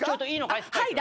はい。